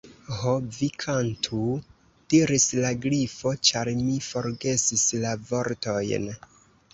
"Ho, vi kantu," diris la Grifo, "ĉar mi forgesis la vortojn."